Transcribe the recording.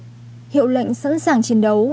trong các vùng tàu hiệu lệnh sẵn sàng chiến đấu